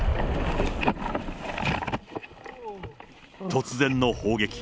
突然の砲撃。